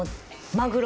マグロ。